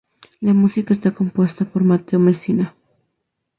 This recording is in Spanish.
La música está compuesta por Mateo Messina.